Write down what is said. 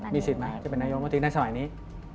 มีสิทธิ์มาให้จะเป็นนายกรมติคแน่น็อสมัยนี้